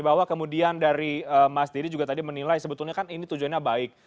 bahwa kemudian dari mas dedy juga tadi menilai sebetulnya kan ini tujuannya baik